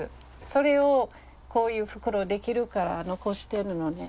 それをこういう袋できるから残してるのね。